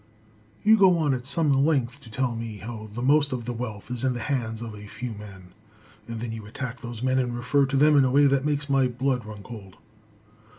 You go on at some length to tell me how the most of the wealth is in the hands of a few men, and then you attack those men and refer to them in a way that makes my blood run cold.